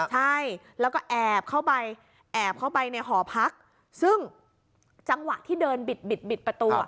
ใช่แล้วก็แอบเข้าไปแอบเข้าไปในหอพักซึ่งจังหวะที่เดินบิดบิดบิดประตู